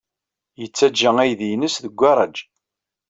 Yettaǧǧa aydi-nnes deg ugaṛaj.